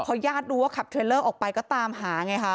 พอญาติรู้ว่าขับเทรลเลอร์ออกไปก็ตามหาไงค่ะ